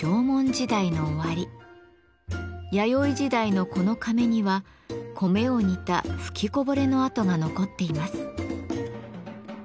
弥生時代のこの甕には米を煮た吹きこぼれの跡が残っています。